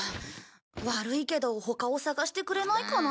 悪いけど他を探してくれないかな。